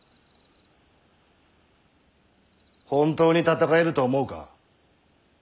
本当に戦えると思うか？